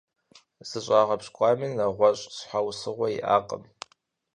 ЗыщӀагъэпщкӀуами нэгъуэщӀ щхьэусыгъуэ иӀакъым.